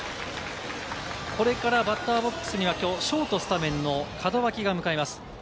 これからバッターボックスにはきょうショート、スタメンの門脇が向かいます。